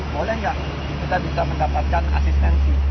boleh nggak kita bisa mendapatkan asistensi